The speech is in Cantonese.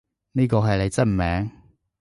呢個係你真名？